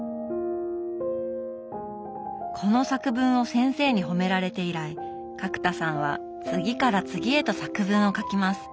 この作文を先生に褒められて以来角田さんは次から次へと作文を書きます。